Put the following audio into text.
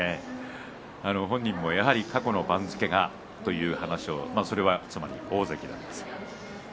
本人もやはり過去の番付がという話がそれはつまり大関ですけれどもね。